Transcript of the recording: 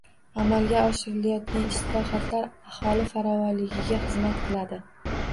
Amalga oshirilayotgan islohotlar aholi farovonligiga xizmat qiladi